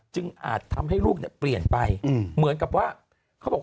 อาจทำให้ลูกเนี่ยเปลี่ยนไปเหมือนกับว่าเขาบอก